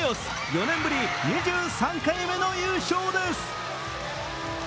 ４年ぶり２３回目の優勝です。